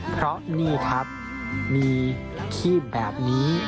เพราะนี่ครับมีขีบแบบนี้